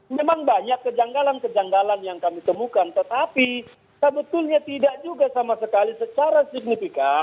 memang banyak kejanggalan kejanggalan yang kami temukan tetapi sebetulnya tidak juga sama sekali secara signifikan